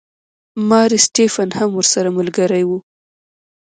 ماري سټیفن هم ورسره ملګرې وه.